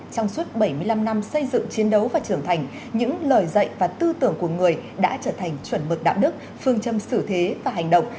trong suốt bảy mươi năm năm xây dựng chiến đấu và trưởng thành những lời dạy và tư tưởng của người đã trở thành chuẩn mực đạo đức phương châm xử thế và hành động